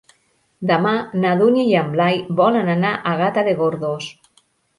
Demà na Dúnia i en Blai volen anar a Gata de Gorgos.